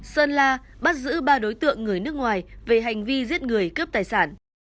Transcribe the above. sơn la bắt giữ ba đối tượng người nước ngoài về hành vi giết người cướp tài sản